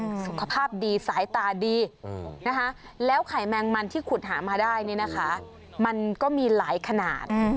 สุขภาพดีสายตาดีนะคะแล้วไข่แมงมันที่ขุดหามาได้เนี่ยนะคะมันก็มีหลายขนาด